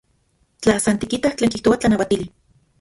Tla san tikitaj tlen kijtoa tlanauatili.